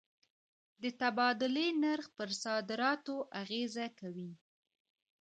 د تبادلې نرخ پر صادراتو اغېزه کوي.